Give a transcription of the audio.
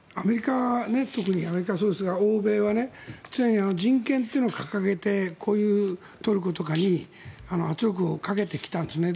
特にアメリカはそうですが欧米は常に人権というのを掲げてこういうトルコとかに圧力をかけてきたんですね。